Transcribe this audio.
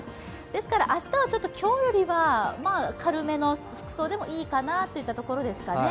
ですから明日はちょっと今日よりは軽めの服装でもいいかなといったところですかね。